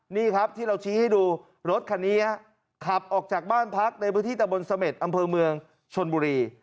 นี่ครับที่เราชี้ให้ดูรถคันนี้ขับออกจากบ้านพักในพื้นที่ตะบนเสม็ดอำเภอเมืองชนบุรี